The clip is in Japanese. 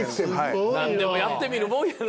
何でもやってみるもんやな。